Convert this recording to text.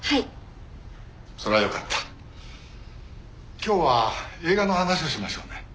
今日は映画の話をしましょうね。